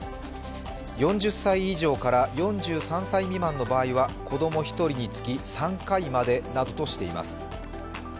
４０歳以上から４３歳未満は子供１人につき３回までとしています。